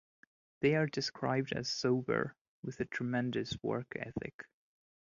They are described as "sober" with a tremendous work ethic.